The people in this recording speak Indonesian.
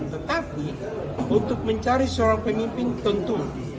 tetapi untuk mencari seorang pemimpin tentu